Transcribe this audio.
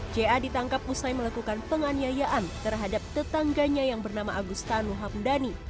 ja ditangkap usai melakukan penganyayaan terhadap tetangganya yang bernama agustanu hamdani